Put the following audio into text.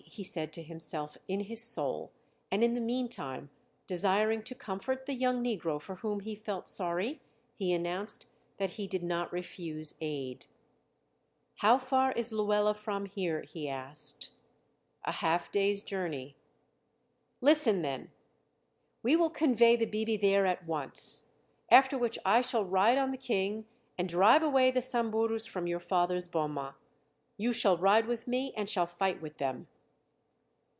he said to himself in his soul, and in the meantime, desiring to comfort the young negro for whom he felt sorry, he announced that he did not refuse aid. "How far is Luela from here?" he asked. "A half day's journey." "Listen, then! we will convey the 'bibi' there at once, after which I shall ride on the King and drive away the Samburus from your father's boma. You shall ride with me and shall fight with them."